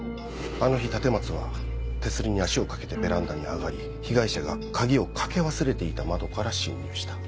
あの日立松は手すりに足を掛けてベランダに上がり被害者が鍵を掛け忘れていた窓から侵入した。